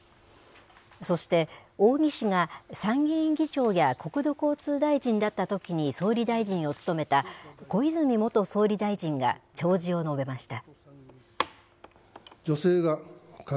そして、扇氏が参議院議長や国土交通大臣だったときに総理大臣を務めた小泉元総理大臣が弔辞を述べました。